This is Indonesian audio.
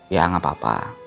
ya enggak apa apa